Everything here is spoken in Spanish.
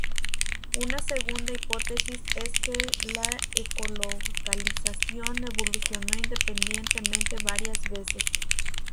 Una segunda hipótesis es que la ecolocalización evolucionó independientemente varias veces.